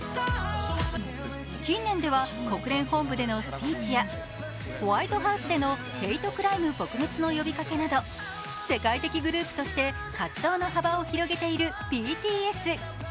近年では、国連本部でのスピーチや、ホワイトハウスでのヘイトクライム撲滅の呼びかけなど、世界的グループとして活動の幅を広げているＢＴＳ。